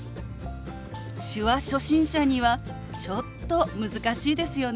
手話初心者にはちょっと難しいですよね。